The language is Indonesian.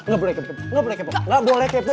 gak boleh kepo gak boleh kepo gak boleh kepo